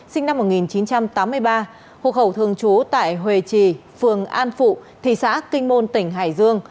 sinh năm một nghìn chín trăm tám mươi ba hộ khẩu thường trú tại hòe trì phường an phụ thị xã kinh môn tỉnh hải dương